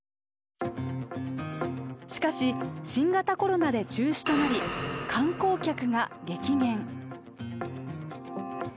しかし新型コロナで中止となり観光客が激減。